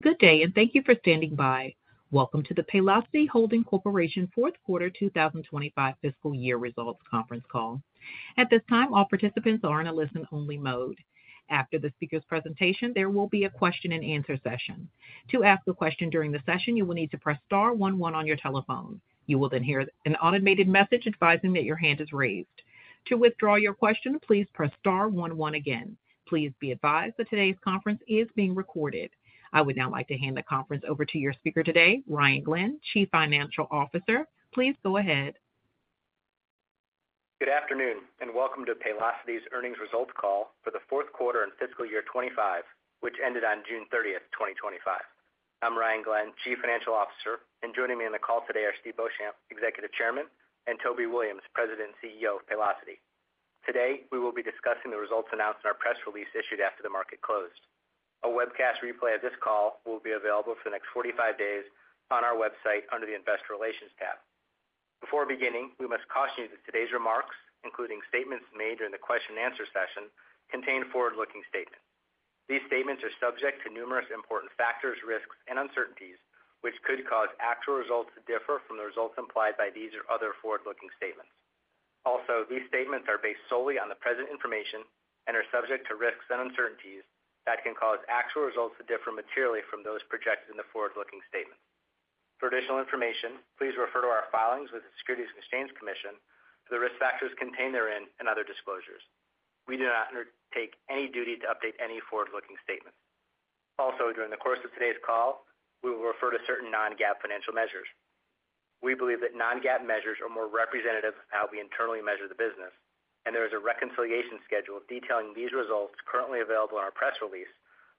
Good day and thank you for standing by. Welcome to the Paylocity Holding Corporation fourth quarter 2025 fiscal year results conference call. At this time, all participants are in a listen only mode. After the speaker's presentation, there will be a question and answer session. To ask the question during the session, you will need to press Star one one on your telephone. You will then hear an automated message advising that your hand is raised. To withdraw your question, please press Star one one again. Please be advised that today's conference is being recorded. I would now like to hand the conference over to your speaker today, Ryan Glenn, Chief Financial Officer. Please go ahead. Good afternoon and welcome to Paylocity's earnings results call for the fourth quarter and fiscal year 2025 which ended on June 30th, 2025. I'm Ryan Glenn, Chief Financial Officer, and joining me on the call today are Steve Beauchamp, Executive Chairman, and Toby Williams, President and CEO of Paylocity. Today we will be discussing the results announced in our press release issued after the market closed. A webcast replay of this call will be available for the next 45 days on our website under the Investor Relations tab. Before beginning, we must caution you that today's remarks, including statements made during the question and answer session, contain forward-looking statements. These statements are subject to numerous important factors, risks, and uncertainties which could cause actual results to differ from the results implied by these or other forward-looking statements. Also, these statements are based solely on the present information and are subject to risks and uncertainties that can cause actual results to differ materially from those projected in the forward-looking statement. For additional information, please refer to our filings with the Securities and Exchange Commission for the risk factors contained therein and other disclosures. We do not undertake any duty to update any forward-looking statements. Also, during the course of today's call we will refer to certain non-GAAP financial measures. We believe that non-GAAP measures are more representative of how we internally measure the business and there is a reconciliation schedule detailing these results currently available in our press release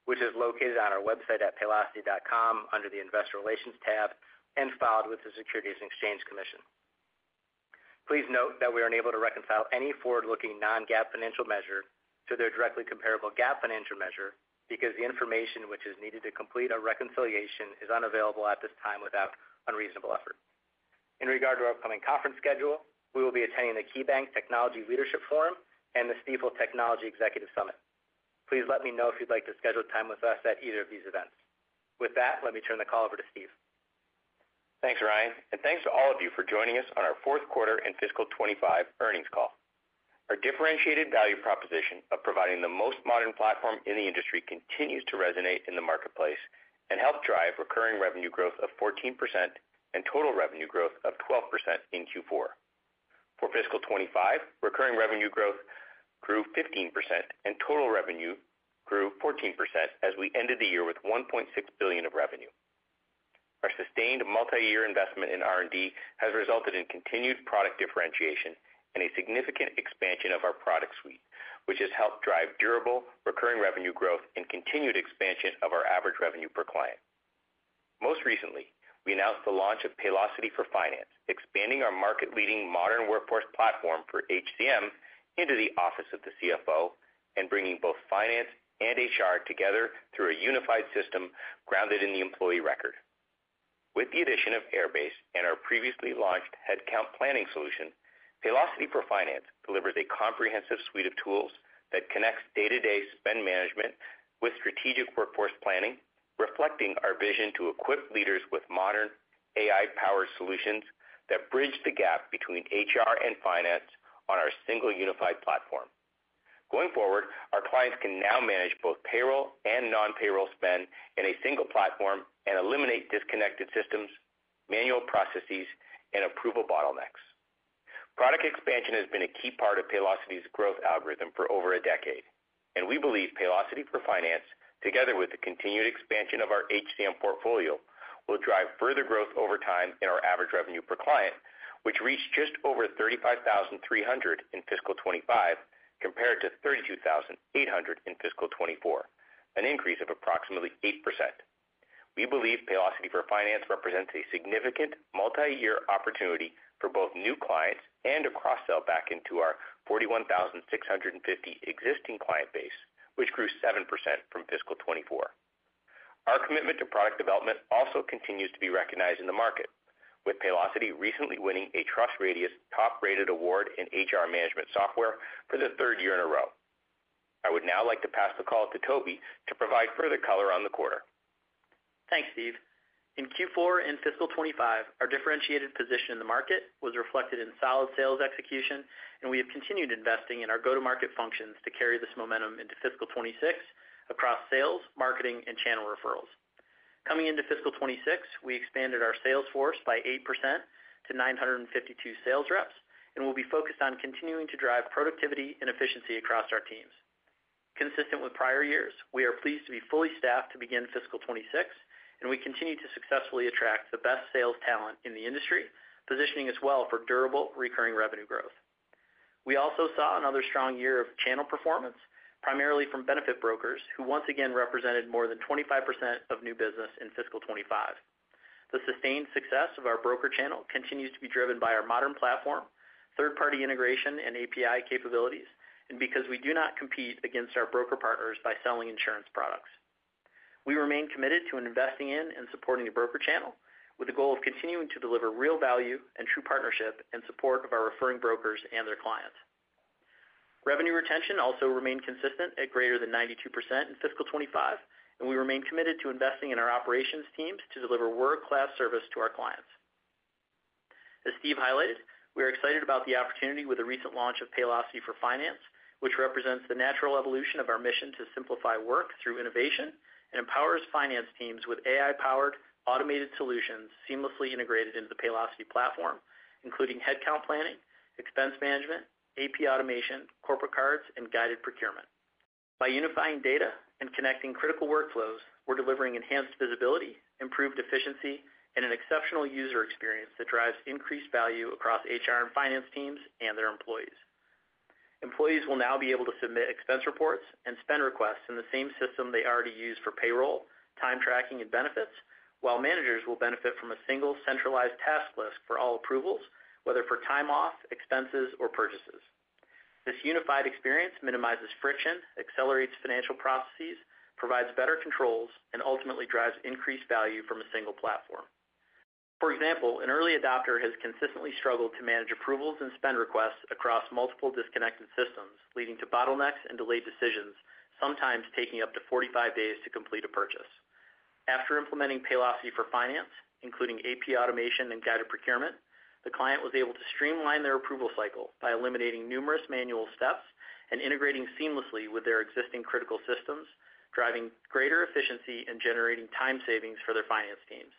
which is located on our website at paylocity.com under the Investor Relations tab and filed with the Securities and Exchange Commission. Please note that we are unable to reconcile any forward-looking non-GAAP financial measure to their directly comparable GAAP financial measure because the information which is needed to complete a reconciliation is unavailable at this time without unreasonable effort. In regard to our upcoming conference schedule, we will be attending the KeyBanc Technology Leadership Forum and the Stifel Technology Executive Summit. Please let me know if you'd like to schedule time with us at either of these events. With that, let me turn the call over to Steve. Thanks Ryan, and thanks to all of. you for joining us on our fourth quarter and fiscal 2025 earnings call. Our differentiated value proposition of providing the most modern platform in the industry continues to resonate in the marketplace and helped drive recurring revenue growth of 14% and total revenue growth of 12%. In Q4 for fiscal 2025, recurring revenue growth grew 15% and total revenue grew 14% as we ended the year with $1.6 billion of revenue. Our sustained multi-year investment in R&D has resulted in continued product differentiation and a significant expansion of our product suite, which has helped drive durable recurring revenue growth and continued expansion of our average revenue per client. Most recently, we announced the launch of Paylocity for Finance, expanding our market-leading modern workforce platform for HCM into the office of the CFO and bringing both finance and HR together through a unified system grounded in the employee record. With the addition of Airbase and our previously launched headcount planning solution, Paylocity for Finance delivers a comprehensive suite of tools that connects day-to-day spend management with strategic workforce planning, reflecting our vision to equip leaders with modern AI-powered solutions that bridge the gap between HR and finance on our single unified platform. Going forward, our clients can now manage both payroll and non-payroll spend in a single platform and eliminate disconnected systems, manual processes, and approval bottlenecks. Product expansion has been a key part of Paylocity's growth algorithm for over a decade, and we believe Paylocity for Finance, together with the continued expansion of our HCM portfolio, will drive further growth over time in our average revenue per client, which reached just over $35,300 in fiscal 2025 compared to $32,800 in fiscal 2024, an increase of approximately 8%. We believe Paylocity for Finance represents a significant multi-year opportunity for both new clients and a cross-sale back into our 41,650 existing client base, which grew 7% from fiscal 2024. Our commitment to product development also continues to be recognized in the market, with Paylocity recently winning a TrustRadius Top Rated Award in HR management software for the third year in a row. I would now like to pass the call to Toby to provide further color on the quarter. Thanks, Steve. In Q4 in fiscal 2025, our differentiated position in the market was reflected in solid sales execution, and we have continued investing in our go-to-market functions to carry this momentum into fiscal 2026 across sales, marketing, and channel referrals. Coming into fiscal 2026, we expanded our sales force by 8% to 952 sales reps and will be focused on continuing to drive productivity and efficiency across our teams, consistent with prior years. We are pleased to be fully staffed to begin fiscal 2026, and we continue to successfully attract the best sales talent in the industry, positioning us well for durable recurring revenue growth. We also saw another strong year of channel performance, primarily from benefit brokers, who once again represented more than 25% of new business in fiscal 2025. The sustained success of our broker channel continues to be driven by our modern platform, third-party integration, and API capabilities. Because we do not compete against our broker partners by selling insurance products, we remain committed to investing in and supporting the broker channel with the goal of continuing to deliver real value and true partnership in support of our referring brokers and their clients. Revenue retention also remained consistent at greater than 92% in fiscal 2025, and we remain committed to investing in our operations teams to deliver world-class service to our clients. As Steve highlighted, we are excited about the opportunity with the recent launch of Paylocity for Finance, which represents the natural evolution of our mission to simplify work through innovation and empowers finance teams with AI-powered automated solutions seamlessly integrated into the Paylocity platform, including headcount planning, expense management, AP automation, corporate cards, and guided procurement. By unifying data and connecting critical workflows, we're delivering enhanced visibility, improved efficiency, and an exceptional user experience that drives increased value across HR and finance teams and their employees. Employees will now be able to submit expense reports and spend requests in the same system they already use for payroll, time tracking, and benefits, while managers will benefit from a single centralized task list for all approvals, whether for time off, expenses, or purchases. This unified experience minimizes friction, accelerates financial processes, provides better controls, and ultimately drives increased value from a single platform. For example, an early adopter has consistently struggled to manage approvals and spend requests across multiple disconnected systems, leading to bottlenecks and delayed decisions, sometimes taking up to 45 days to complete a purchase. After implementing Paylocity for Finance, including AP automation and guided procurement, the client was able to streamline their approval cycle by eliminating numerous manual steps and integrating seamlessly with their existing critical systems, driving greater efficiency and generating time savings for their finance teams.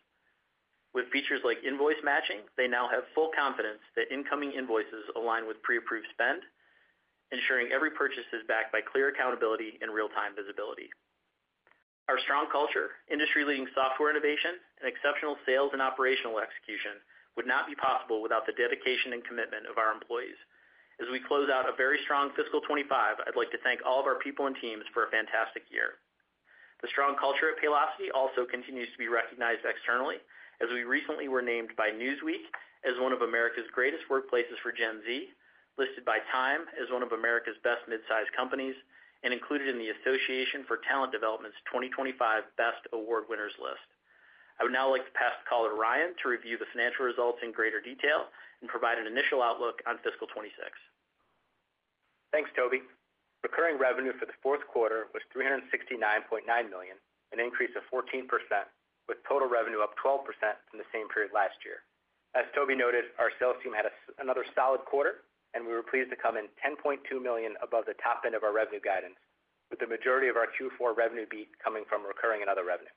With features like invoice matching, they now have full confidence that incoming invoices align with pre-approved spend, ensuring every purchase is backed by clear accountability and real-time visibility. Our strong culture, industry-leading software innovation, and exceptional sales and operational execution would not be possible without the dedication and commitment of our employees. As we close out a very strong fiscal 2025, I'd like to thank all of our people and teams for a fantastic year. The strong culture at Paylocity also continues to be recognized externally as we recently were named by Newsweek as one of America's Greatest Workplaces for Gen Z, listed by Time as one of America's Best Midsize Companies, and included in the Association for Talent Development's 2025 Best Award Winners list. I would now like to pass the call to Ryan to review the financial results in greater detail and provide an initial outlook on fiscal 2026. Thanks, Toby. Recurring revenue for the fourth quarter was $369.9 million, an increase of 14% with total revenue up 12% from the same period last year. As Toby noted, our sales team had another solid quarter and we were pleased to come in $10.2 million above the top end of our revenue guidance, with the majority of our Q4 revenue beat coming from recurring and other revenue.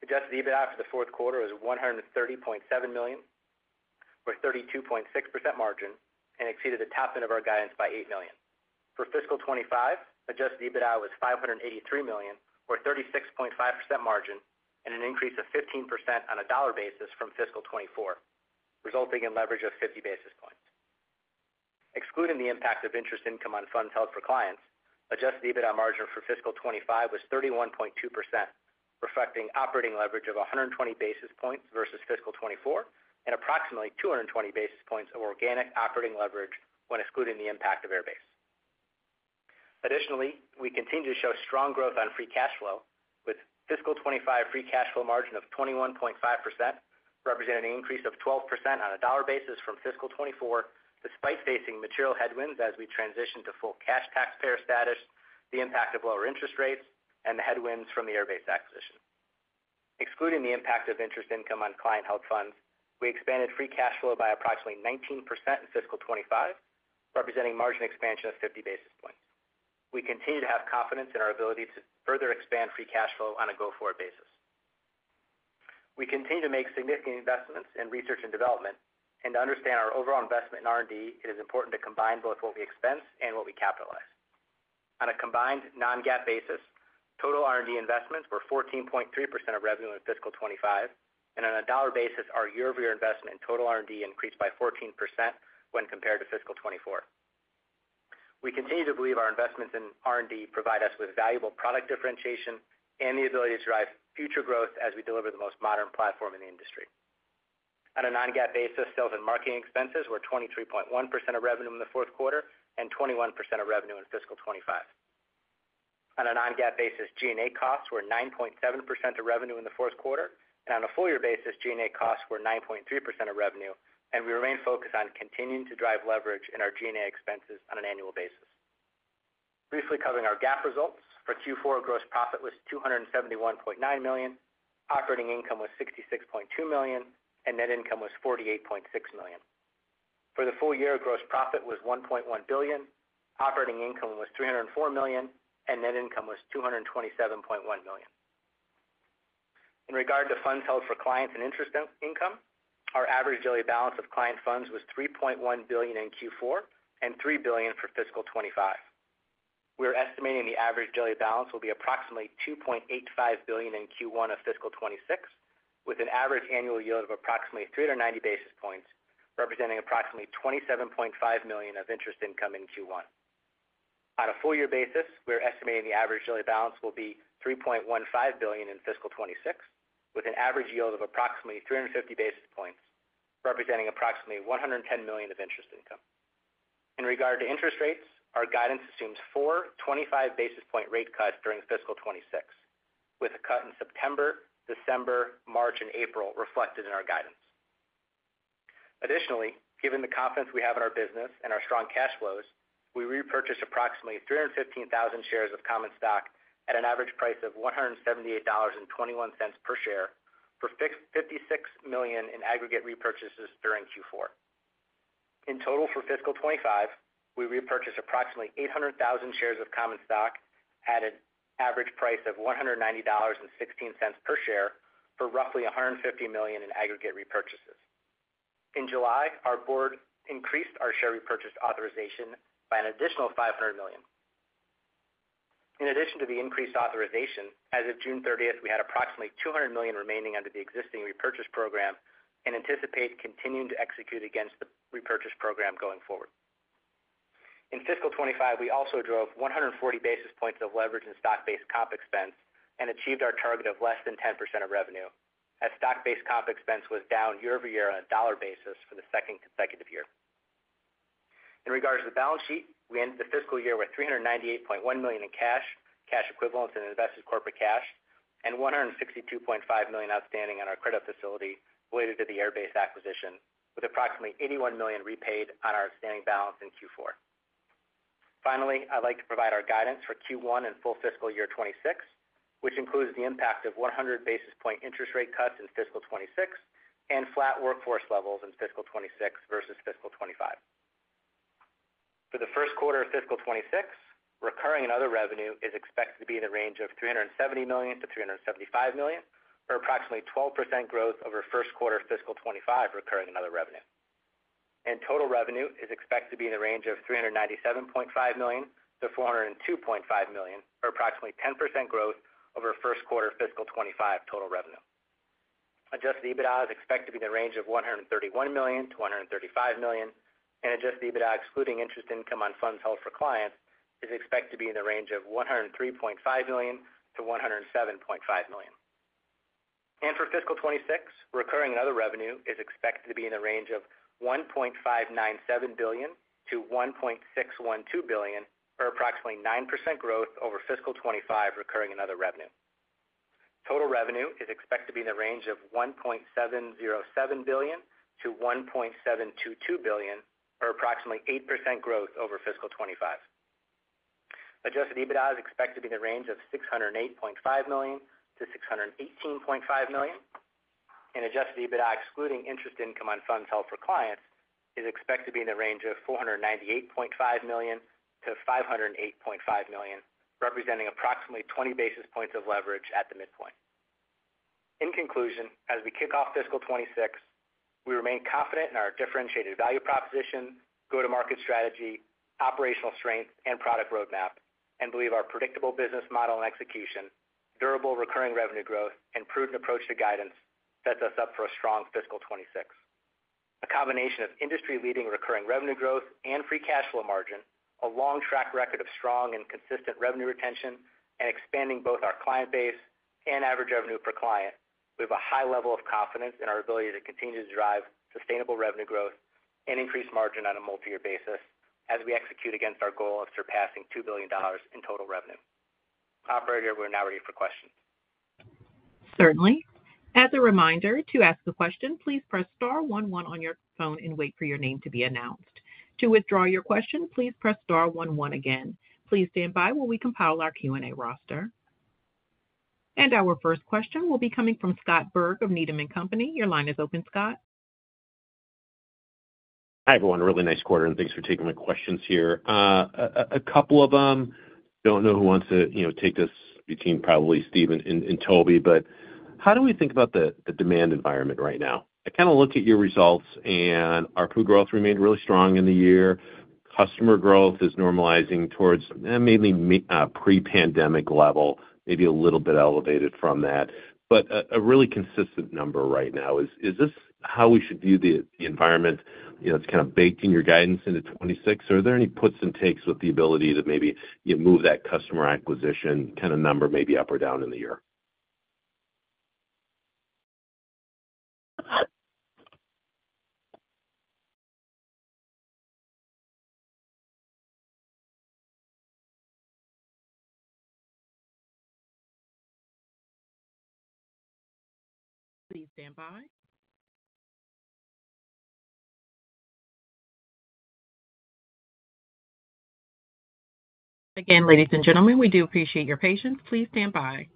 Adjusted EBITDA for the fourth quarter was $130.7 million, or 32.6% margin, and exceeded the top end of our guidance by $8 million. For fiscal 2025, adjusted EBITDA was $583 million, or 36.5% margin and an increase of 15% on a dollar basis from fiscal 2024, resulting in leverage of 50 basis points excluding the impact of interest income on funds held for clients. Adjusted EBITDA margin for fiscal 2025 was 31.2%, reflecting operating leverage of 120 basis points versus fiscal 2024 and approximately 220 basis points of organic operating leverage when excluding the impact of Airbase. Additionally, we continue to show strong growth on free cash flow, with fiscal 2025 free cash flow margin of 21.5%, representing an increase of 12% on a dollar basis from fiscal 2024. Despite facing material headwinds as we transition to full cash taxpayer status, the impact of lower interest rates and the headwinds from the Airbase acquisition excluding the impact of interest income on client held funds, we expanded free cash flow by approximately 19% in fiscal 2025, representing margin expansion of 50 basis points. We continue to have confidence in our ability to further expand free cash flow on a go forward basis. We continue to make significant investments in research and development and to understand our overall investment in R&D, it is important to combine both what we expense and what we capitalize on a combined non-GAAP basis. Total R&D investments were 14.3% of revenue in fiscal 2025 and on a dollar basis. Our year-over-year investment in total R&D increased by 14% when compared to fiscal 2024. We continue to believe our investments in R&D provide us with valuable product differentiation and the ability to drive future growth as we deliver the most modern platform in the industry. On a non-GAAP basis, sales and marketing expenses were 23.1% of revenue in the fourth quarter and 21% of revenue in fiscal 2025. On a non-GAAP basis, G&A costs were 9.7% of revenue in the fourth quarter and on a full year basis, G&A costs were 9.3% of revenue and we remain focused on continuing to drive leverage in our G&A expenses on an annual basis. Briefly covering our GAAP results for Q4, gross profit was $271.9 million, operating income was $66.2 million, and net income was $48.6 million. For the full year, gross profit was $1.1 billion, operating income was $304 million, and net income was $227.1 million. In regard to funds held for clients and interest income, our average daily balance of client funds was $3.1 billion in Q4 and $3 billion for fiscal 2025. We are estimating the average daily balance will be approximately $2.85 billion in Q1 of fiscal 2026, with an average annual yield of approximately 390 basis points representing approximately $27.5 million of interest income in Q1. On a full year basis, we're estimating the average daily balance will be $3.15 billion in fiscal 2026 with an average yield of approximately 350 basis points representing approximately $110 million of interest income. In regard to interest rates, our guidance assumes four 25 basis point rate cuts during fiscal 2026, with a cut in September, December, March, and April reflected in our guidance. Additionally, given the confidence we have in our business and our strong cash flows, we repurchased approximately 315,000 shares of common stock at an average price of $178.21 per share for $56 million in aggregate repurchases during Q4. In total, for fiscal 2025, we repurchased approximately 800,000 shares of common stock at an average price of $190.16 per share for roughly $150 million in aggregate repurchases. In July, our Board increased our share repurchase authorization by an additional $500 million. In addition to the increased authorization, as of June 30th, we had approximately $200 million remaining under the existing repurchase and anticipate continuing to execute against the repurchase program going forward. In fiscal 2025, we also drove 140 basis points of leverage in stock-based comp expense and achieved our target of less than 10% of revenue as stock-based comp expense was down year-over-year on a dollar basis for the second consecutive year. In regards to the balance sheet, we ended the fiscal year with $398.1 million in cash, cash equivalents and invested corporate cash, and $162.5 million outstanding on our credit facility related to the Airbase acquisition, with approximately $81 million repaid on our outstanding balance in Q4. Finally, I'd like to provide our guidance for Q1 and full fiscal year 2026, which includes the impact of 100 basis point interest rate cuts in fiscal 2026 and flat workforce levels in fiscal 2026 versus fiscal 2025. For the first quarter of fiscal 2026, recurring and other revenue is expected to be in the range of $370 million-$375 million, or approximately 12% growth over first quarter fiscal 2025 recurring and other revenue, and total revenue is expected to be in the range of $397.5 million-$402.5 million, or approximately 10% growth over first quarter fiscal 2025. Total revenue adjusted EBITDA is expected to be in the range of $131 million-$135 million, and adjusted EBITDA excluding interest income on funds held for clients is expected to be in the range of $103.5 million-$107.5 million. For fiscal 2026, recurring and other revenue is expected to be in the range of $1.597 billion-$1.612 billion, or approximately 9% growth over fiscal 2025 recurring and other revenue. Total revenue is expected to be in the range of $1.707 billion-$1.722 billion, or approximately 8% growth over fiscal 2025. Adjusted EBITDA is expected to be in the range of $608.5 million-$618.5 million, and adjusted EBITDA excluding interest income on funds held for clients is expected to be in the range of $498.5 million-$508.5 million, representing approximately 20 basis points of leverage at the midpoint. In conclusion, as we kick off fiscal 2026, we remain confident in our differentiated value proposition, go-to-market strategy, operational strength, and product roadmap, and believe our predictable business model and execution, durable recurring revenue growth, and prudent approach to guidance set us up for a strong fiscal 2026. A combination of industry-leading recurring revenue growth and free cash flow margin, a long track record of strong and consistent revenue retention, and expanding both our client base and average revenue per client. We have a high level of confidence in our ability to continue to drive sustainable revenue growth and increase margin on a multi-year basis as we execute against our goal of surpassing $2 billion in total revenue. Operator, we're now ready for questions. Certainly. As a reminder to ask the question, please press star one one on your phone and wait for your name to be announced. To withdraw your question, please press star one one again. Please stand by while we compile our Q&A roster, and our first question will be coming from Scott Berg of Needham & Company. Your line is open, Scott. Hi everyone. Really nice quarter, and thanks for taking my questions here. A couple of them. Don't know who wants to take this between probably Steve and Toby, but how do we think about the demand environment right now? I kind of look at your results and ARPU growth remained really strong in the year. Customer growth is normalizing towards mainly pre-pandemic level, maybe a little bit elevated from that, but a really consistent number right now. Is this how we should view the environment? It's kind of baked in your guidance into 2026. Are there any puts and takes with the ability to maybe move that customer acquisition kind of number maybe up or. Down in the year? Please stand by. Again, ladies and gentlemen, we do appreciate your patience. Please stand by.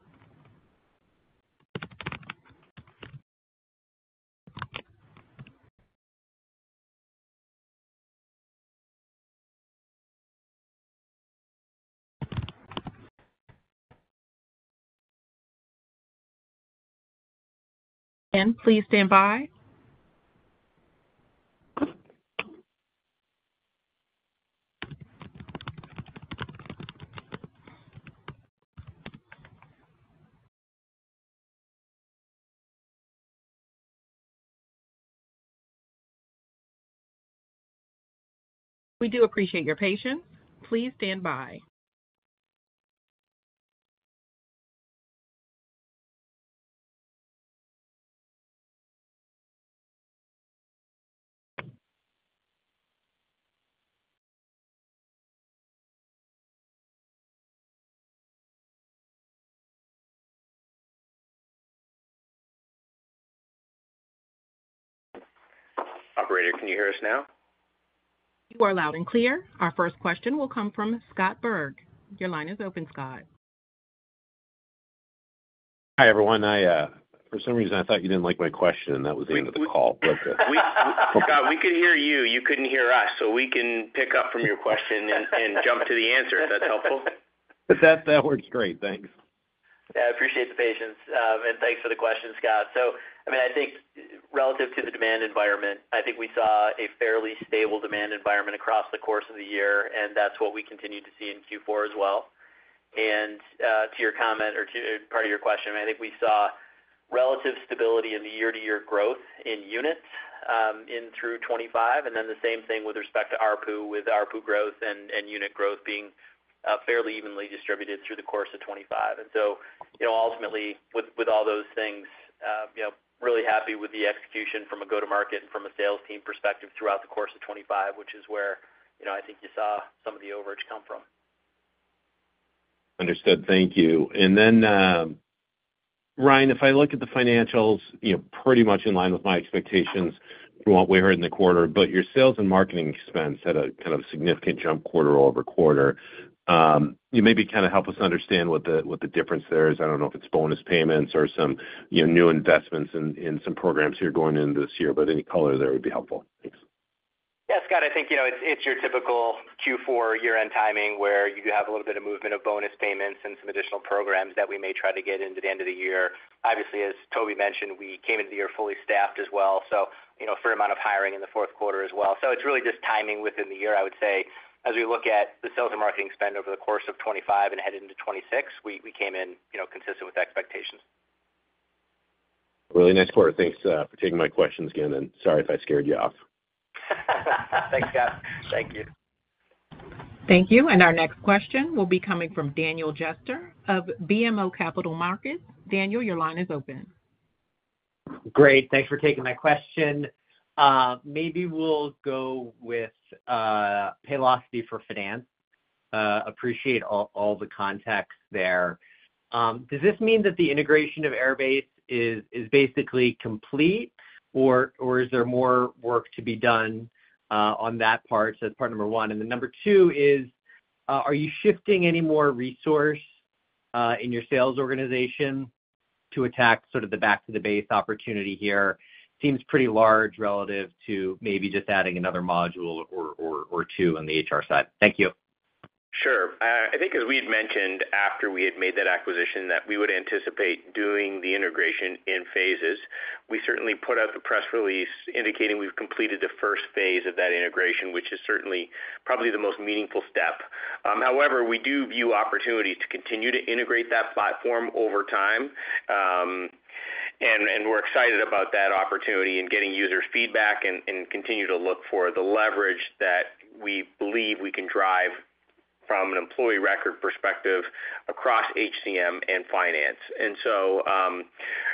We do appreciate your patience. Please stand by. Operator, can you hear us now? You are loud and clear. Our first question will come from Scott Berg. Your line is open, Scott. Hi everyone. For some reason I thought you didn't like my question and that was the end of the call. We could hear you. You couldn't hear us. We can pick up from your question and jump to the answer if that's helpful. That works great. Thanks. I appreciate the patience and thanks for the question, Scott. I think relative to the demand environment, we saw a fairly stable demand environment across the course of the year, and that's what we continue to see in Q4 as well. To your comment or to part of your question, we saw relative stability in the year-to-year growth in units in through 2025, and the same thing with respect to ARPU, with ARPU growth and unit growth being fairly evenly distributed through the course of 2025. Ultimately, with all those things, really happy with the execution from a go-to-market and from a sales team perspective throughout the course of 2025, which is where I think you saw some of the overage come from. Understood, thank you. Ryan, if I look at the financials, you know, pretty much in line with my expectations from what we heard in the quarter, but your sales and marketing expense had a kind of significant jump quarter-over-quarter. You maybe help us understand what the difference there is. I don't know if it's bonus payments or some new investments in some programs here going into this year, but any. Color there would be helpful. Thanks. Yeah, Scott, I think it's your typical Q4 year-end timing where you have a little bit of movement of bonus payments and some additional programs that we may try to get into the end of the year. Obviously, as Toby mentioned, we came into. The year fully staffed as well. A fair amount of hiring in the fourth quarter as well. It's really just timing within the year, I would say as we look at the sales and marketing spend over the course of 2025 and head into 2026, we came in consistent with expectations. Really nice quarter. Thanks for taking my questions again. Sorry if I scared you off. Thanks, guys. Thank you. Thank you. Our next question will be coming from Daniel Jester of BMO Capital Markets. Daniel, your line is open. Great. Thanks for taking my question. Maybe we'll go with Paylocity for Finance. Appreciate all the context there. Does this mean that the integration of Airbase is basically complete, or is there more work to be done on that part? That's part number one. Number two is, are you shifting any more resource in your sales organization to attack? The back to the base opportunity here seems pretty large relative to maybe just adding another module or two. On the HR side. Thank you. Sure. I think as we had mentioned after we had made that acquisition, that we would anticipate doing the integration in phases. We certainly put out the press release indicating we've completed the first phase of that integration, which is certainly probably the most meaningful step. However, we do view opportunity to continue to integrate that platform over time, and we're excited about that opportunity in getting users' feedback and continue to look for the leverage that we believe we can drive from an employee record perspective across HCM and finance.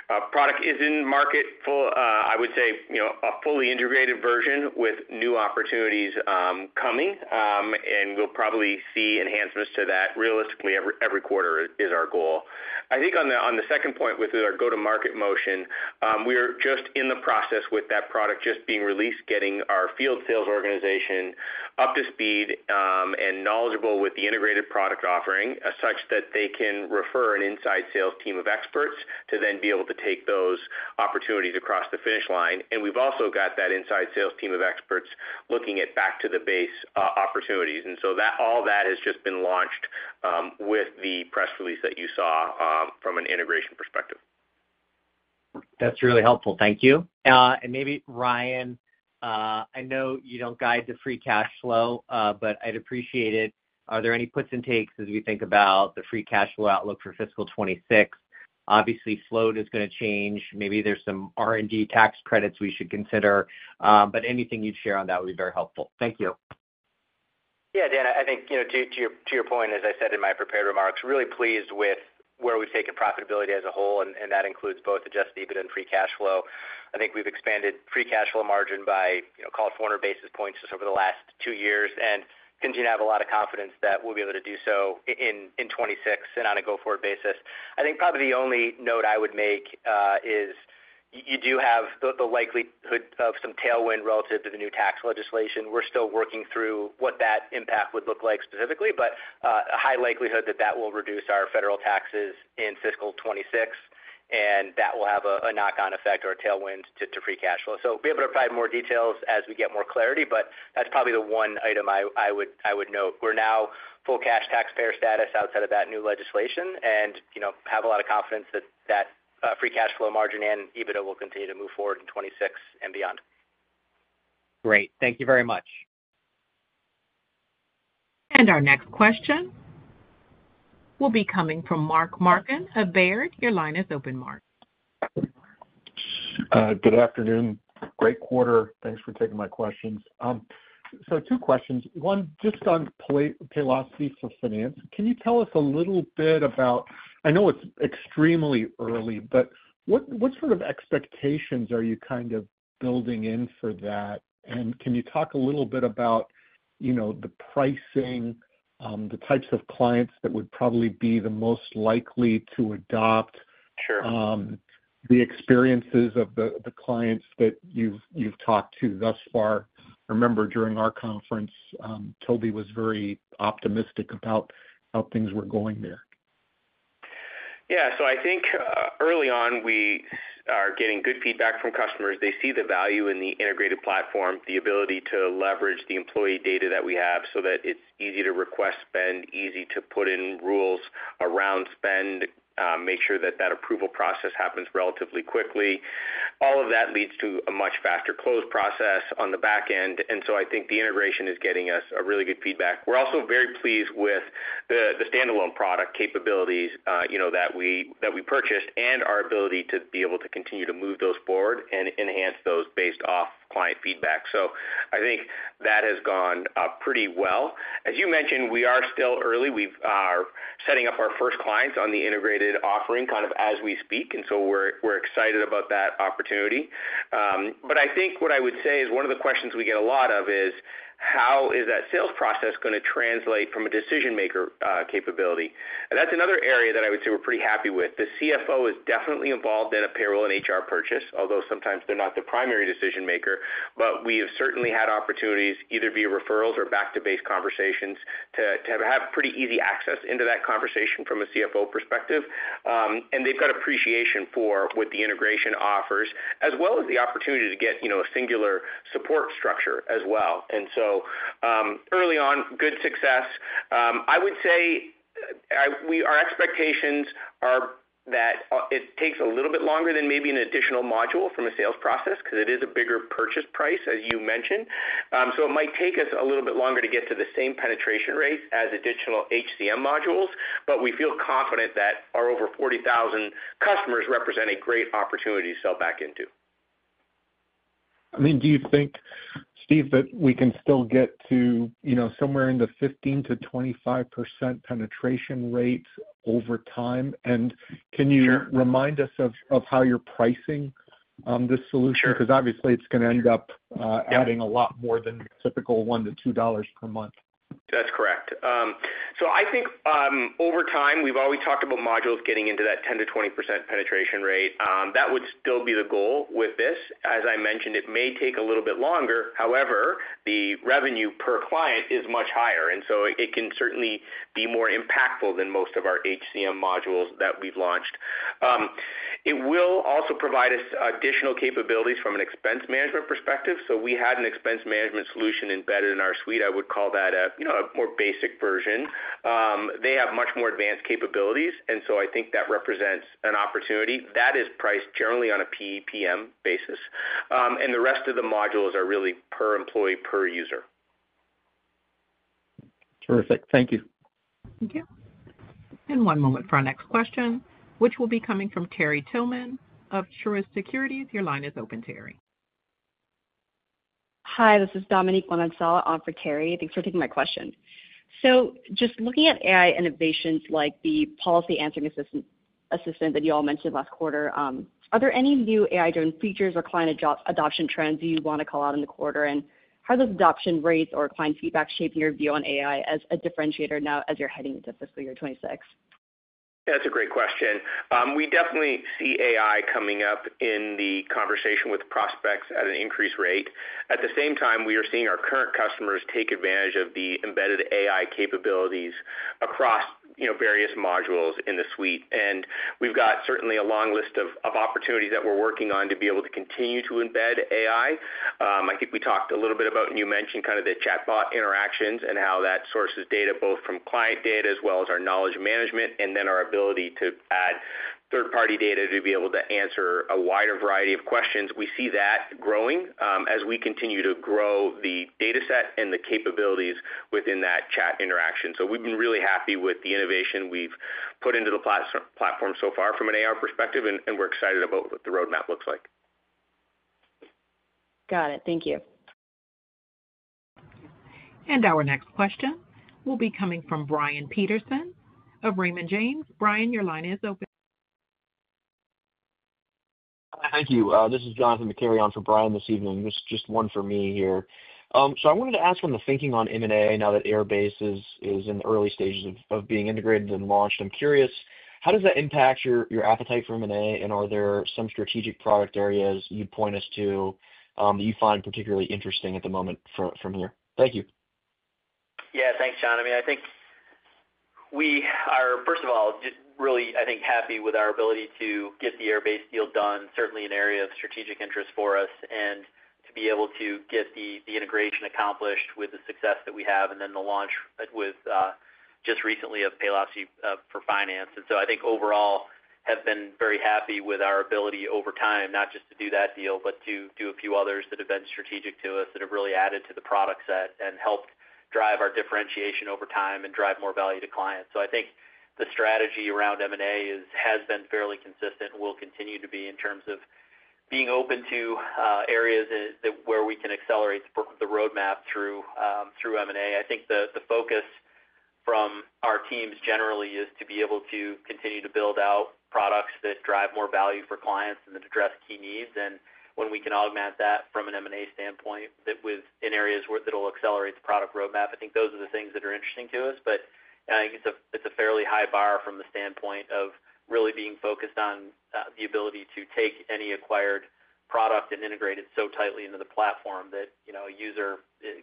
The product is in market. I would say a fully integrated version with new opportunities is coming, and we'll probably see enhancements to that realistically every quarter. That is our goal. I think on the second point with our go-to-market motion, we are just in the process with that product just being released, getting our field sales organization up to speed and knowledge with the integrated product offering such that they can refer an inside sales team of experts to then be able to take those opportunities across the finish line. We've also got that inside sales team of experts looking at back to the base opportunities. All that has just been launched with the press release that you saw from an integration perspective. That's really helpful. Thank you. Maybe Ryan, I know you don't guide the free cash flow, but I'd appreciate it. Are there any puts and takes as. We think about the free cash flow outlook for fiscal 2026? Obviously, float is going to change. Maybe there's some R&D tax. Credits we should consider. Anything you'd share on that would be very helpful. Thank you. Yeah, Dan, I think to your point, as I said in my prepared remarks, really pleased with where we've taken profitability as a whole. That includes both adjusted EBITDA and free cash flow. I think we've expanded free cash flow margin by, call it, 400 basis points just over the last two years and continue to have a lot of confidence that we'll be able to do so in 2026 and on a go forward basis. I think probably the only note I would make is you do have the likelihood of some tailwind relative to the new tax legislation. We're still working through what that impact would look like specifically, but a high likelihood that that will reduce our federal taxes in fiscal 2026 and that will have a knock on effect or a tailwind to free cash flow. Be able to provide more details as we get more clarity. That's probably the one item I would note. We're now full cash taxpayer status outside of that new legislation and have a lot of confidence that that free cash flow margin and EBITDA will continue to move forward in 2026 and beyond. Great, thank you very much. Our next question will be coming from Mark Marcon of Baird. Your line is open. Mark. Good afternoon. Great quarter. Thanks for taking my questions. Two questions, one just on Paylocity for Finance. Can you tell us a little bit about, I know it's extremely early, but what sort of expectations are you kind of building in for that? Can you talk a little bit about the pricing, the types of clients that would probably be the most likely to adopt, the experiences of the clients that you've talked to thus far? Remember, during our conference, Toby was very optimistic about how things were going there. Yeah. I think early on we are getting good feedback from customers. They see the value in the integrated platform, the ability to leverage the employee data that we have so that it's easy to request spend, easy to put in rules around spend, make sure that approval process happens relatively quickly. All of that leads to a much faster close process on the back end. I think the integration is getting us really good feedback. We're also very pleased with the standalone product capabilities that we purchased and our ability to be able to continue to move those forward and enhance those based off client feedback. I think that has gone pretty well. As you mentioned, we are still early. We are setting up our first clients on the integrated offering kind of as we speak. We are excited about that opportunity. What I would say is one of the questions we get a lot is how is that sales process going to translate from a decision maker capability. That's another area that I would say pretty happy with. The CFO is definitely involved in a payroll and HR purchase, although sometimes they're not the primary decision maker. We have certainly had opportunities, either via referrals or back to base conversations, to have pretty easy access into that conversation from a CFO perspective. They've got appreciation for what the integration offers as well as the opportunity to get a singular support structure as well. Early on, good success. I would say our expectations are that it takes a little bit longer than maybe an additional module from a sales process because it is a bigger purchase price, as you mentioned. It might take us a little bit longer to get to the same penetration rates as additional HCM modules. We feel confident that our over 40,000 customers represent a great opportunity to sell back into. Do you think, Steve, that we can still get to somewhere in the 15%-25% penetration rate over time? Can you remind us of how you're pricing this solution? Obviously, it's going to end up. Adding a lot more than typical. $1-$2 per month. That's correct. I think over time we've always talked about modules getting into that 10%-20% penetration rate. That would still be the goal with this. As I mentioned, it may take a little bit longer. However, the revenue per client is much higher, and it can certainly be more impactful than most of our HCM modules that we've launched. It will also provide us additional capabilities from an expense management perspective. We had an expense management solution embedded in our suite. I would call that a more basic version. They have much more advanced capabilities. I think that represents an opportunity that is priced generally on a PEPM basis. The rest of the modules are really per employee, per user. Terrific. Thank you. Thank you. One moment for our next question, which will be coming from Terry Tillman of Truist Securities. Your line is open. Hi, this is Dominique Guenanzela on for Terry. Thanks for taking my question. Just looking at AI innovations like the policy answering assistant that you all mentioned last quarter, are there any new AI-driven features or client adoption trends you want to call out in the quarter? How does adoption rates or client feedback shape your view on AI as a differentiator now, as you're heading into fiscal year 2026? That's a great question. We definitely see AI coming up in the conversation with prospects at an increased rate. At the same time, we are seeing our current customers take advantage of the embedded AI capabilities across various modules in the suite. We have certainly a long list of opportunities that we're working on to be able to continue to embed AI. I think we talked a little bit about, and you mentioned, the chatbot interactions and how that sources data, both from client data as well as our knowledge management, and then our ability to add third-party data to be able to answer a wider variety of questions. We see that growing as we continue to grow the data set and the capabilities within that chat interaction. We have been really happy with the innovation we've put into the platform so far from an AI perspective, and we're excited about what the roadmap looks like. Got it, thank you. Our next question will be coming from Brian Peterson of Raymond James. Brian, your line is open. Thank you. This is Jonathan McCarry on for Brian this evening. Just one for me here. I wanted to ask on the thinking on M&A now that Airbase is in the early stages of being integrated and launched. I'm curious, how does that impact your appetite for M&A? Are there some strategic product areas you point us to that you find particularly interesting at the moment from here? Thank you. Yeah, thanks, John. I mean, I think we are, first of all, really, I think, happy with our ability to get the Airbase deal done. Certainly an area of strategic interest for us and to be able to get the integration accomplished with the success that we have. Then the launch just recently of Paylocity for Finance. I think overall, have been very happy with our ability over time not just to do that deal, but to do a few others that have been strategic to us, that have really added to the product set and helped drive our differentiation over time and drive more value to clients. I think the strategy around M&A has been fairly consistent and will continue to be in terms of being open to areas where we can accelerate the roadmap through M&A. I think the focus from our teams generally is to be able to continue to build out products that drive more value for clients and that address key needs. When we can augment that from an M&A standpoint in areas where it will accelerate the product roadmap, I think those are the things that are interesting to us. It's a fairly high bar from the standpoint of really being focused on the ability to take any acquired product and integrate it so tightly into the platform that a user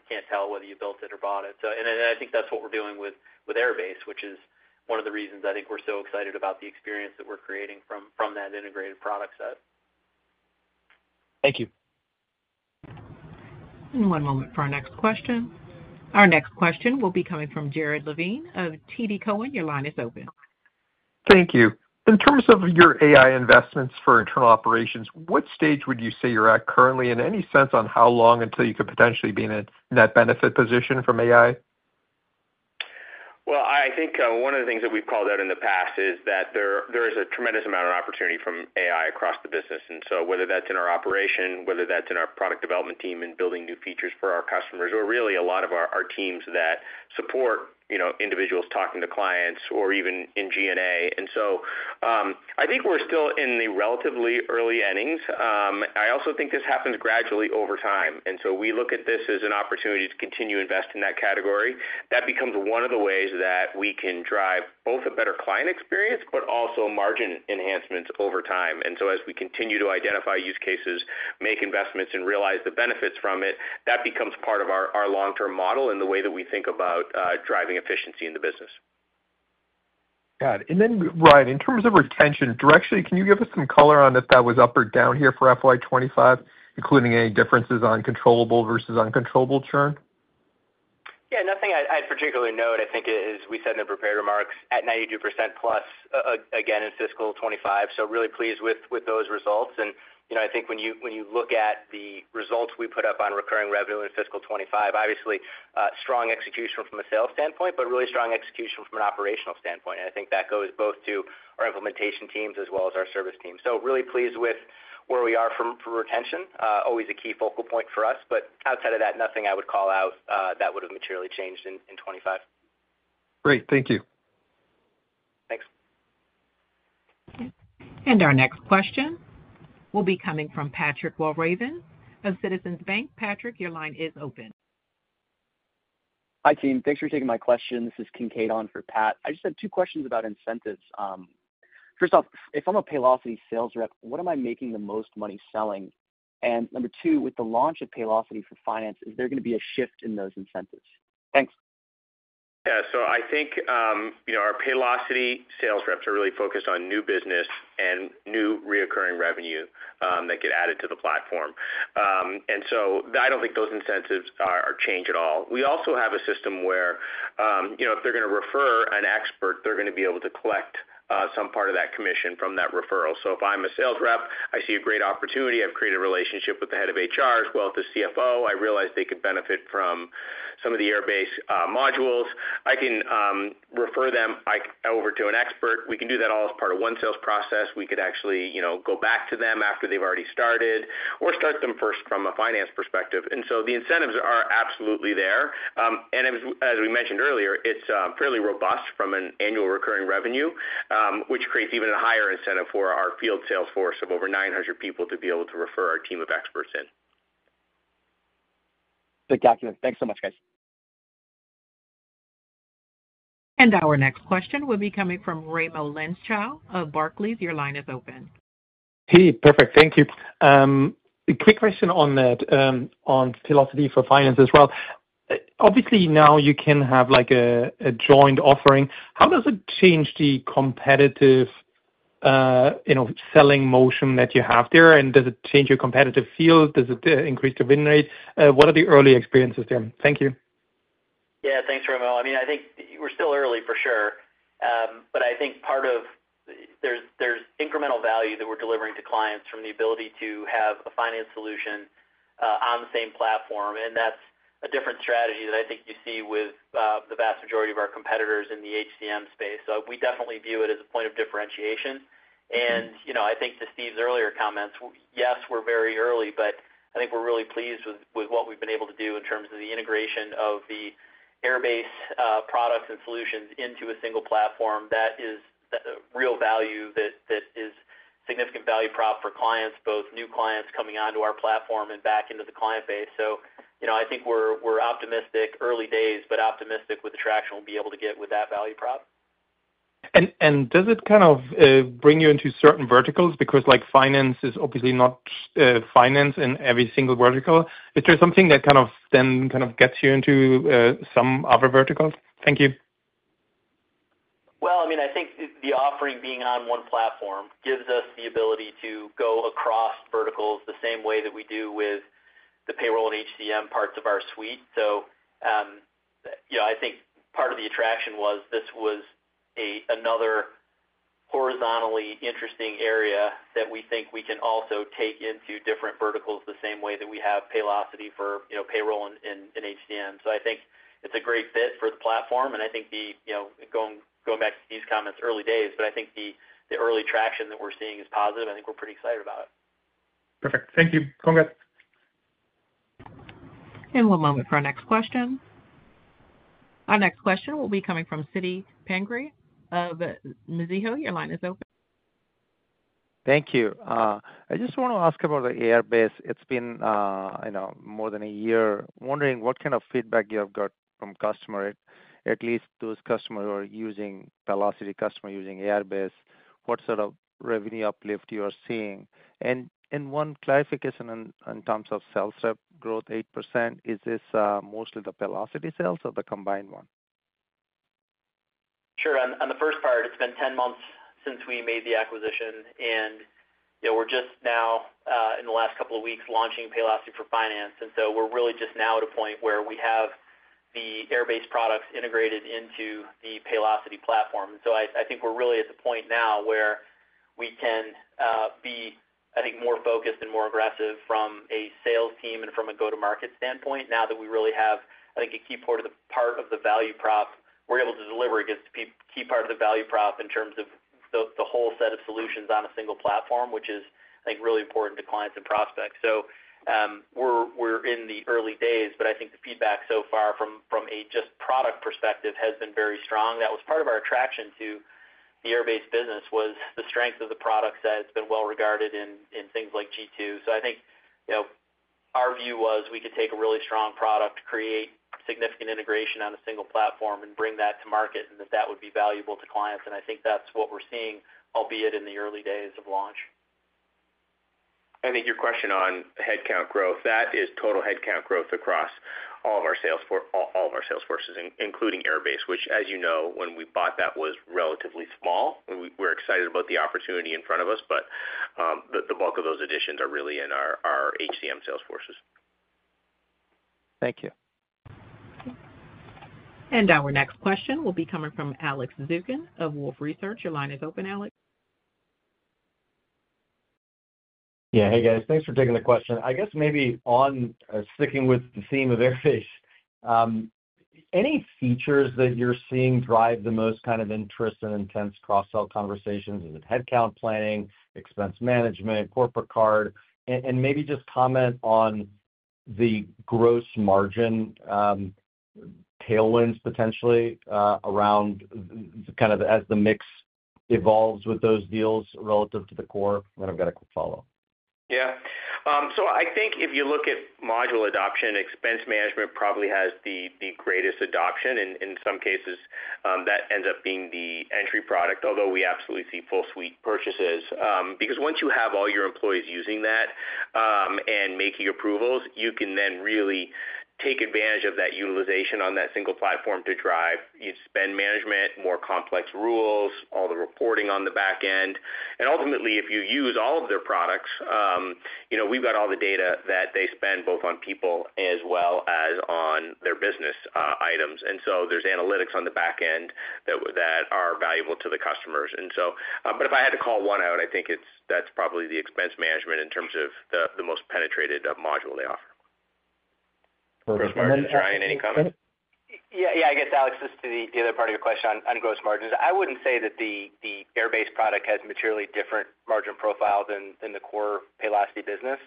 can't tell whether you built it or bought it. I think that's what we're doing with Airbase, which is one of the reasons, I think we're so excited about the experience that we're creating from that integrated product set. Thank you. One moment for our next question. Our next question will be coming from Jared Levine of TD Cowen. Your line is open. Thank you. In terms of your AI investments for internal operations, what stage would you say you're at currently, and any sense on how long until you could potentially be in a net benefit position from AI? I think one of the things that we've called out in the past is that there is a tremendous amount of opportunity from AI across the business. Whether that's in our operations, whether that's in our product development team and building new features for our customers, or really a lot of our teams that support individuals talking to clients or even in G&A, I think we're still in the relatively early innings. I also think this happens gradually over time. We look at this as an opportunity to continue to invest in that category. That becomes one of the ways that we can drive both a better client experience, but also margin enhancements over time as we continue to identify use cases, make investments, and realize the benefits from that. It becomes part of our long-term model and the way that we think about driving efficiency in the business. Ryan, in terms of retention direction, can you give us some color on if that was up or down here for FY 2025, including any differences on controllable versus uncontrollable churn? Yeah, nothing I'd particularly note, I think. As we said in the prepared remarks. At 92%+ again in fiscal 2025, really pleased with those results. I think when you look at the results we put up on recurring revenue in fiscal 2025, obviously strong execution from a sales standpoint, but really strong execution from an operational standpoint. I think that goes both to our implementation teams as well as our service team. Really pleased with where we are from retention, always a key focal point for us, but outside of that, nothing I would call out that would have materially changed in 2025. Great, thank you. Thanks. Our next question will be coming from Patrick Walraven of Citizens. Patrick, your line is open. Hi, team. Thanks for taking my question. This is Kincaid on for Pat. I just had two questions about incentives. First off, if I'm a Paylocity sales. Rep, what am I making the most money selling? Number two, with the launch of Paylocity for Finance, is there going to be a shift in those incentives? Thanks. I think our Paylocity sales reps are really focused on new business and new recurring revenue that get added to the platform. I don't think those incentives change at all. We also have a system where if they're going to refer an expert, they're going to be able to collect some part of that commission from that referral. If I'm a sales rep, I see a great opportunity. I've created a relationship with the head of HR as well as the CFO. I realize they could benefit from some of the Airbase modules, refer them over to an expert. We can do that all as part of one sales process. We could actually go back to them after they've already started or start them first. From a finance perspective, the incentives are absolutely there, and as we mentioned earlier, it's fairly robust from an annual recurring revenue, which creates even a higher incentive for our field sales force of over 900 people to be able to refer our team of experts in. Thanks so much, guys. Our next question will be coming from Raimo Lenschow of Barclays. Your line is open. Hey, perfect. Thank you. Quick question on that, on philosophy for finance as well. Obviously now you can have like a joint offering. How does it change the competitive, you know, selling motion that you have there? Does it change your competitive field? Does it increase the win rate? What are the early experiences there? Thank you. Yeah, thanks, Ramo. I mean, I think we're still early for sure, but I think part of there's incremental value that we're delivering to clients from the ability to have a finance solution on the same platform. That's a different strategy that I think you see with the vast majority of our competitors in the HCM space. We definitely view it as a point of differentiation. You know, I think to Steve's earlier comments, yes, we're very early, but I think we're really pleased with what we've been able to do in terms of the integration of the Airbase products and solutions into a single platform that is real value, that is significant value prop for clients, both new clients coming onto our platform and back into the client base. I think we're optimistic early days, but optimistic with the traction we'll be able to get with that value prop. Does it kind of bring you into certain verticals? Because finance is obviously not finance in every single vertical. Is there something that kind of then gets you into some other verticals? Thank you. I think the offering being on one platform gives us the ability to go across verticals the same way that we do with the payroll and HCM parts of our suite. I think part of the attraction was this was another horizontally interesting area that we think we can also take into different verticals the same way that we have Paylocity for payroll and HCM. I think it's a great fit for the platform, and I think, going back to Steve's comments, early days, but I think the early traction that we're seeing is positive and I think we're pretty excited about it. Perfect, thank you. Congrats. One moment for our next question. Our next question will be coming from Siti Panigrahi of Mizuho. Your line is open. Thank you. I just want to ask about Airbase. It's been more than a year, wondering what kind of feedback you have gotten from customers. At least those customers using Paylocity, customers using Airbase, what sort of revenue uplift you are seeing. One clarification, in terms of sales rep growth, 8%. Is this most of the Paylocity sales. The combined one? Sure. On the first part, it's been 10 months since we made the acquisition and we're just now, in the last couple of weeks, launching Paylocity for Finance. We're really just now at a point where we have the Airbase products integrated into the Paylocity platform. I think we're really at the point now where we can be, I think, more focused and more aggressive from a sales team and from a go-to-market standpoint, now that we really have a key part of the value prop we're able to deliver against, a key part of the value prop in terms of the whole set of solutions on a single platform, which is really important to clients and prospects. We're in the early days, but I think the feedback so far from a product perspective has been very strong. That was part of our attraction to the Airbase business, was the strength of the product set. It's been well regarded in things like G2. I think our view was we could take a really strong product, create significant integration on a single platform and bring that to market and that that would be valuable to clients. I think that's what we're seeing, albeit in the early days of launch. I think your question on headcount growth, i.e. total headcount growth across all of our sales forces, including Airbase, which as you know, when we bought that was relatively small. We're excited about the opportunity in front of us, but the bulk of those additions are really in our HCM sales forces. Thank you. Our next question will be coming from Alex Zukin of Wolfe Research. Your line is open, Alex. Yeah, hey guys, thanks for taking the question. I guess maybe on sticking with the. Theme of Airbase, any features that you're seeing drive the most kind of interest? Intense cross sell conversations. Is it headcount planning, expense management, corporate card, and maybe just comment on the gross margin tailwinds potentially around kind of as the mix evolves with those deals relative to the core. I've got a quick follow. Yeah, so I think if you look at module adoption, expense management probably has the greatest adoption, and in some cases that ends up being the entry product. Although we absolutely see full suite purchases, because once you have all your employees using that and making approvals, you can then really take advantage of that utilization on that single platform to drive spend management, more complex rules, all the reporting on the back end, and ultimately if you use all of their products, we've got all the data that they spend both on people as well as on their business items. There's analytics on the back end that are valuable to the customers. If I had to call one out, I think that's probably the expense management in terms of the most penetrated. Module, they offer gross margins. Ryan, any comments? Yeah, I guess, Alex, just to the other part of your question, on gross margins, I wouldn't say that the Airbase product has materially different margin profile than the core Paylocity business.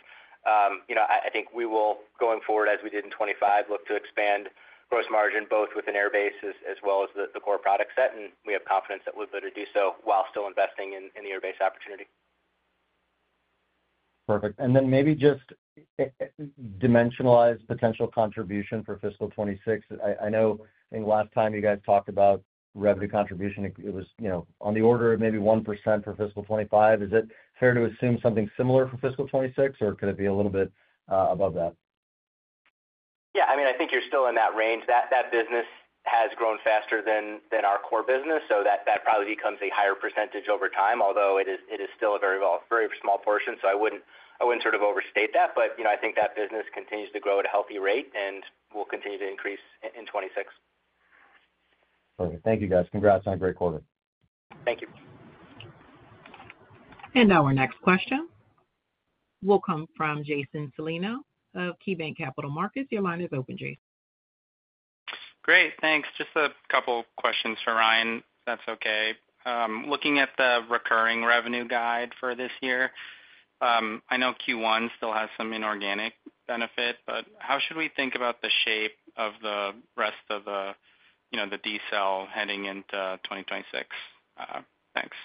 I think we will, going forward, as we did in 2025, look to expand gross margin both within Airbase. As well as the core product set. We have confidence that we'll be able to do so while still investing in the Airbase opportunity. Perfect. Maybe just dimensionalized potential contribution for fiscal 2026. I know last time you guys talked about revenue contribution, it was, you know. On the order of maybe 1% for fiscal 2025. Is it fair to assume something similar? For fiscal 2026 or could it be. A little bit above that? Yeah, I mean, I think you're still in that range that that business has grown faster than our core business. That probably becomes a higher percentage over time, although it is still a very, very small portion. I wouldn't sort of overstate that. You know, I think that business continues to grow at a healthy rate and will continue to increase in 2026. Perfect. Thank you, guys. Congrats on a great quarter. Thank you. Our next question will come from Jason Celino of KeyBanc Capital Markets. Your line is open, Jason. Great, thanks. Just a couple questions for Ryan. That's okay. Looking at the recurring revenue guide for this year, I know Q1 still has some inorganic benefit, but how should we think about the shape of the rest of the, you know, the decel heading into 2026? Thanks.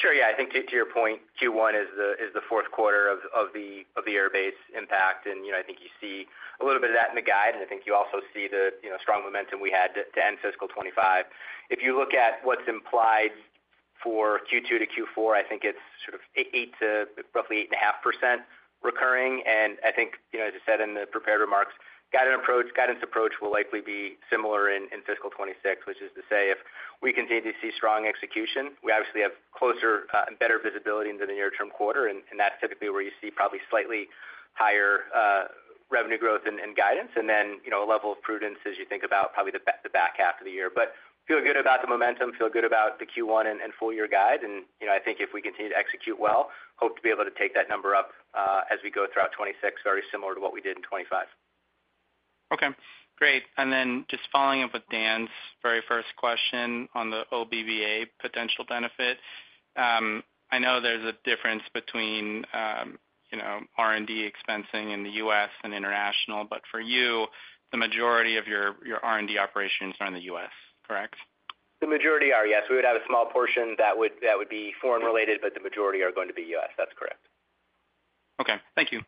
Sure. Yeah. I think to your point, Q1 is the fourth quarter of the Airbase impact. You know, I think you see a little bit of that in the guide. I think you also see the strong momentum we had to end fiscal 2025. If you look at what's implied for Q2 to Q4, I think it's sort of 8% to roughly 8.5% recurring. As I said in the prepared remarks, guidance approach will likely be similar in fiscal 2026, which is to say if we continue to see strong execution, we obviously have closer and better visibility into the near term quarter. That's typically where you see probably slightly higher revenue growth and guidance and then a level of prudence as you think about probably the back half of the year. Feel good about the momentum, feel good about the Q1 and full year guide. I think if we continue to execute well, hope to be able to take that number up as we go throughout 2026, very similar to what we did in 2025. Okay, great. Following up with Dan's. Very first question on the OBVA potential benefit. I know there's a difference between. You know, R&D expensing in the U.S. and international. For you, the majority of your. R&D operations are in the U.S., correct? The majority are, yes. We would have a small portion that would be foreign related, but the majority are going to be U.S. That's correct. Correct. Okay, thank you.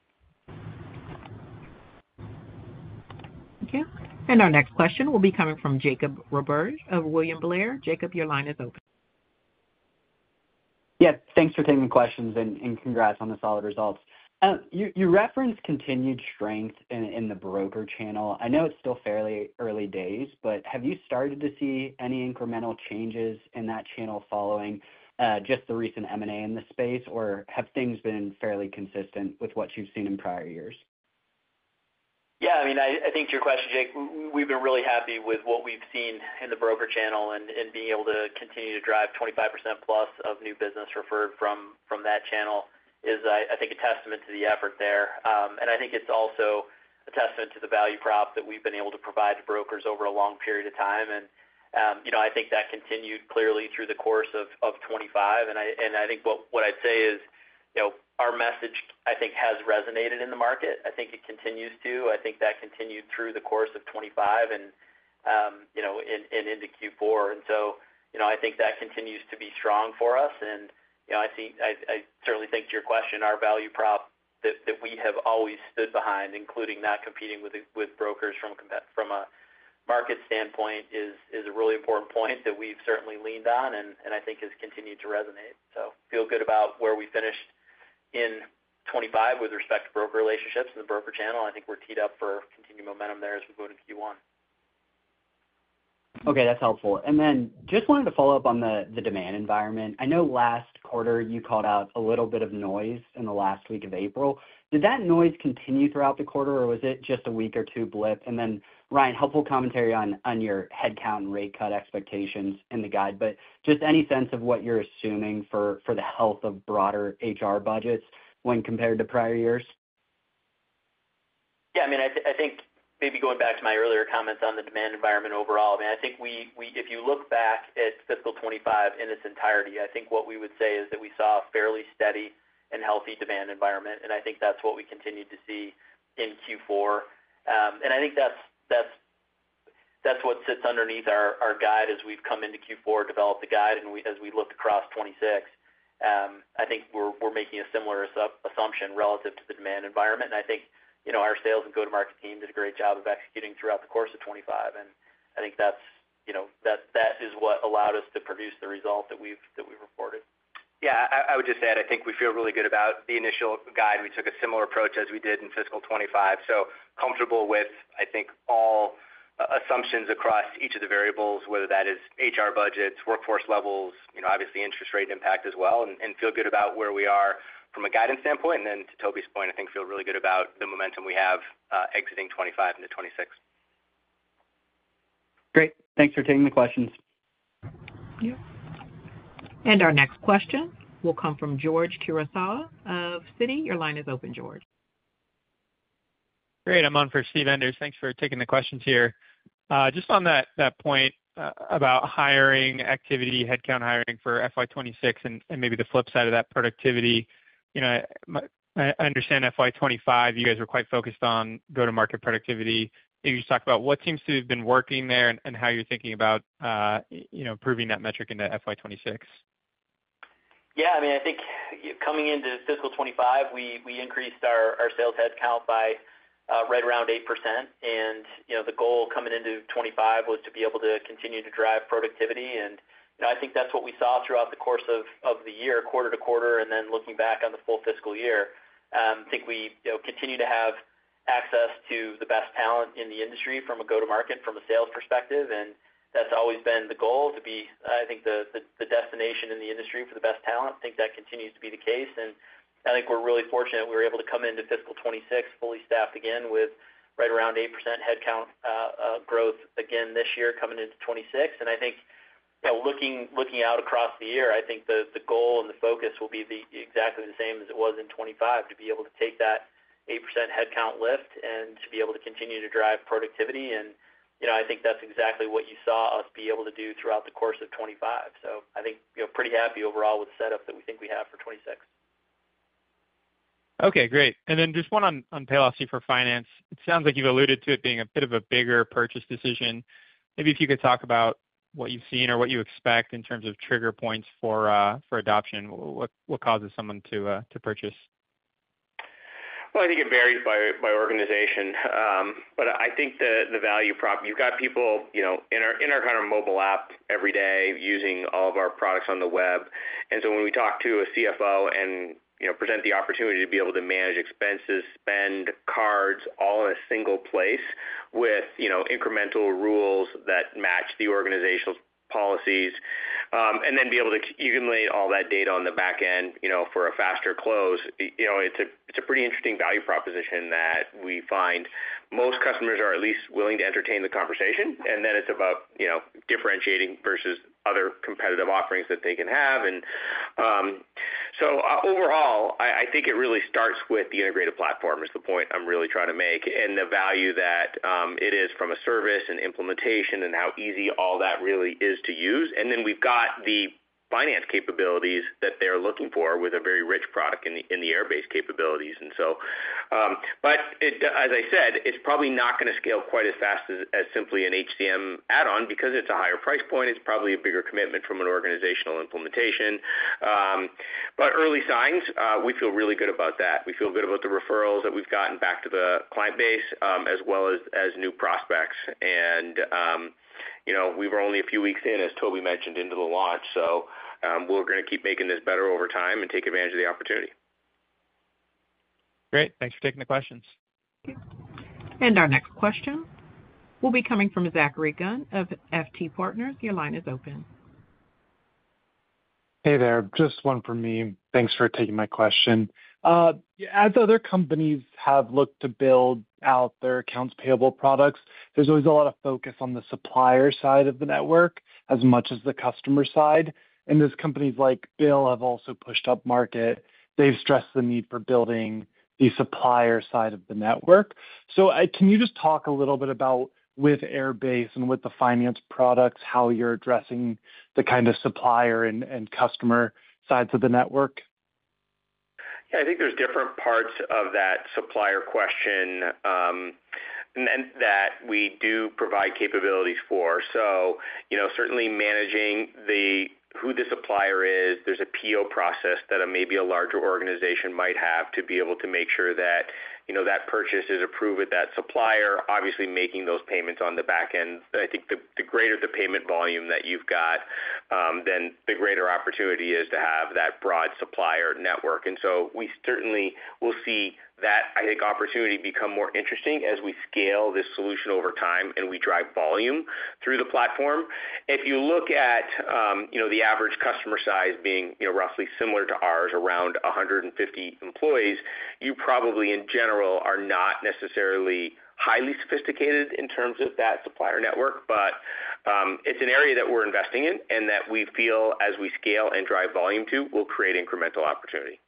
Thank you. Our next question will be coming from Jake Roberge of William Blair. Jake, your line is open. Yeah, thanks for taking the questions. Congrats on the solid results. You referenced continued strength in the broker channel. I know it's still fairly early days, but have you started to see any incremental changes in that channel following just the recent M&A in the space, or have things been fairly consistent? With what you've seen in prior years? Yeah, I mean, I think to your question, Jake, we've been really happy with what we've seen in the broker channel. Being able to continue to drive 25%+ of new business referred from that channel is, I think, a testament to the effort there. I think it's also a testament to the value prop that we've been able to provide to brokers over a. Long period of time. I think that continued clearly through the course of 2025. What I'd say is our message has resonated in the market. I think it continues to. I think that continued through the course of 2025 and into Q4. I think that continues to be strong for us. I certainly think to your question, our value prop that we have always stood behind, including not competing with brokers from a market standpoint, is a really important point that we've certainly leaned on and I think has continued to resonate. I feel good about where we finished in 2025 with respect to broker relationships and the broker channel. I think we're teed up for continued. Momentum there as we go to Q1. Okay, that's helpful. I just wanted to follow up on the demand environment. I know last quarter you called out. A little bit of noise in the last week of April. Did that noise continue throughout the quarter or was it just a week or two blip? Ryan, helpful commentary on your headcount rate cut expectations in the guide, but just any sense of what you're assuming for the health of broader budgets when compared to prior years? Yeah, I mean, I think maybe going back to my earlier comments on the demand environment overall, I think if you look back at fiscal 2025 in its entirety, I think what we would say is that we saw a fairly steady and healthy demand environment, and I think that's what we continue to see in Q4. I think that's what sits underneath our guide as we've come into Q4, developed the guide, and as we look across 2026, I think we're making a similar assumption relative to the demand environment. I think our sales and go-to-market team did a great job of executing throughout the course of 2025, and I think that is what allowed us to produce the result that we've reported. Yeah, I would just add, I think we feel really good about the initial guide. We took a similar approach as we did in fiscal 2025, so comfortable with I think all assumptions across each of the variables, whether that is HR budgets, workforce levels, you know, obviously interest rate impact as well, and feel good about where we are from a guidance standpoint. To Toby's point, I think feel really good about the momentum we have exiting 2025 into 2026. Great, thanks for taking the questions. Yeah. Our next question will come from George Kurosawa of Citi. Your line is open, George. Great, I'm on for Steve Enders. Thanks for taking the questions here. Just on that point about hiring activity, headcount hiring for FY 2026 and maybe the flip side of that, productivity. I understand FY 2025, you guys are quite focused on go to market productivity. Maybe you just talk about what seems to have been working there and how you're thinking about, you know, proving that metric into FY 2026. Yeah, I mean, I think coming into fiscal 2025 we increased our sales headcount by right around 8%. The goal coming into 2025 was to be able to continue to drive productivity. I think that's what we saw throughout the course of the year, quarter-to-quarter. Looking back on the full fiscal year, I think we continue to have access to the best talent in the industry from a go-to-market, from a sales perspective. That's always been the goal, to be the destination in the industry for the best talent. I think that continues to be the case and I think we're really fortunate we were able to come into fiscal 2026 fully staffed again with right around 8% headcount growth again this year coming into 2026. Looking out across the year, I think the goal and the focus will be exactly the same as it was in 2025, to be able to take that 8% headcount lift and to be able to continue to drive productivity. I think that's exactly what you saw us be able to do throughout the course of 2025. I think pretty happy overall with the setup that we think we have for 2026. Okay, great. Just one on Paylocity for Finance, it sounds like you've alluded to it being a bit of a bigger purchase decision. Maybe if you could talk about what you've seen or what you expect in terms of trigger points for adoption. What causes someone to purchase? I think it varies by organization, but I think the value prop, you've got people in our mobile app every day using all of our products on the web. When we talk to a CFO and present the opportunity to be able to manage expenses, spend cards, all in a single place with incremental rules that match the organizational policies and then be able to accumulate all that data on the back end for a faster close, it's a pretty interesting value proposition that we find. Most customers are at least willing to entertain the conversation, and then it's about differentiating versus other competitive offerings that they can have. Overall, I think it really starts with the integrated platform, which is the point I'm really trying to make, and the value that it is from a service and implementation and how easy all that really is to use. We've got the finance capabilities that they're looking for with a very rich product in the Airbase capabilities. As I said, it's probably not going to scale quite as fast as simply an HCM add-on because it's a higher price point. It's probably a bigger commitment from an organizational implementation. Early signs, we feel really good about that. We feel good about the referrals that we've gotten back to the client base as well as new prospects. You know, we were only a few weeks in, as Toby mentioned, into the launch. We are going to keep making this better over time and take advantage of the opportunity. Great, thanks for taking the questions. Thank you. Our next question will be coming from Zachary Gunn of FT Partners. Your line is open. Hey there, just one for me. Thanks for taking my question. As other companies have looked to build out their accounts payable products, there's always a lot of focus on the supplier side of the network as much as the customer side. As companies like Bill have also pushed up market, they've stressed the need for building the supplier side of the network. Can you just talk a little bit about with Airbase and with the finance products, how you're addressing the kind of supplier and customer sides of the network? I think there's different parts of that supplier question that we do provide capabilities for. Certainly, managing who the supplier is, there's a PO process that maybe a larger organization might have to be able to make sure that that purchase is approved with that supplier, obviously making those payments on the back end. I think the greater the payment volume that you've got, the greater opportunity is to have that broad supplier network. We certainly will see that opportunity become more interesting as we scale this solution over time and we drive volume through the platform. If you look at the average customer size being roughly similar to ours, around 150 employees, you probably in general are not necessarily highly sophisticated in terms of that supplier network. It's an area that we're investing in and that we feel as we scale and drive volume to will create incremental opportunities.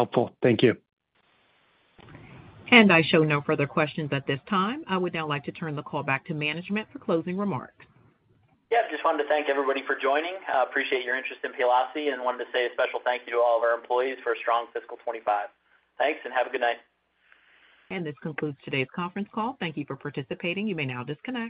Helpful. Thank you. I show no further questions at this time. I would now like to turn the call back to management for closing remarks. Yeah, just wanted to thank everybody for joining, appreciate your interest in Paylocity and wanted to say a special thank you to all of our employees for a strong fiscal 2025. Thanks and have a good night. This concludes today's conference call. Thank you for participating. You may now disconnect.